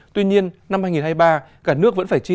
tuy nhiên năm hai nghìn hai mươi ba cả nước vẫn phải trở lại